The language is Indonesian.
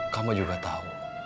kamu juga tau